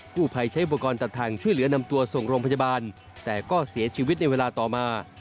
ผู้ภัยใช้อุปกรณ์ตัดทางช่วยเหลือนำตัวส่งโรงพยาบาลแต่ก็เสียชีวิตในเวลาต่อมา